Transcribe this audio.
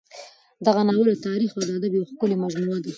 دغه ناول د تاریخ او ادب یوه ښکلې مجموعه ده.